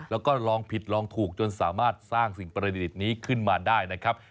แล้วก็ลองผิดลองถูกจนสามารถสร้างสิ่งประดิษฐ์นี้ขึ้นมาได้นะครับ